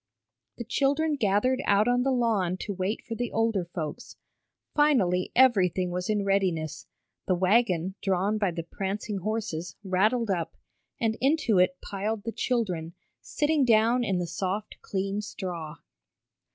The children gathered out on the lawn to wait for the older folks. Finally everything was in readiness, the wagon, drawn by the prancing horses, rattled up, and into it piled the children, sitting down in the soft, clean straw.